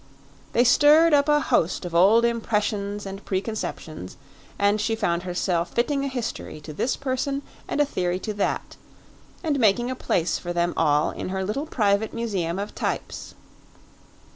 They stirred up a host of old impressions and preconceptions, and she found herself fitting a history to this person and a theory to that, and making a place for them all in her little private museum of types.